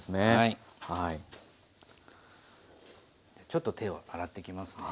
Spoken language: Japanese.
ちょっと手を洗ってきますね。